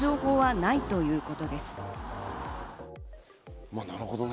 なるほどね。